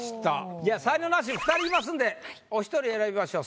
じゃあ才能ナシ２人いますんでお１人選びましょう。